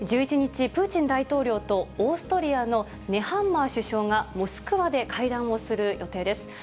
１１日、プーチン大統領とオーストリアのネハンマー首相がモスクワで会談をする予定です。